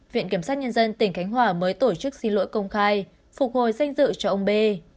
viện kiểm sát nhân dân tỉnh khánh hòa mới tổ chức xin lỗi công khai phục hồi danh dự cho ông b